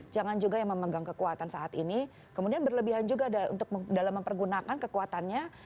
jangan juga yang memegang kekuatan saat ini kemudian berlebihan juga untuk dalam mempergunakan kekuatannya